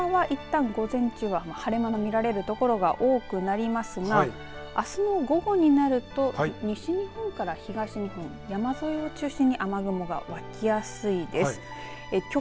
そのほかはいったん午前中は晴れ間の見られるところが多くなりますがあすの午後になると西日本から東日本山沿いを中心に雨雲が湧きやすいです。